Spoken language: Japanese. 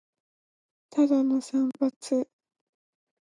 ただの散髪